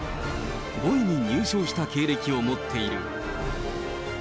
５位に入賞した経歴を持っている。